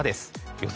予想